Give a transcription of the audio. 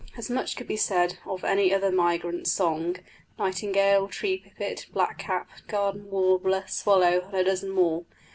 As much could be said of any other migrant's song nightingale, tree pipit, blackcap, garden warbler, swallow, and a dozen more.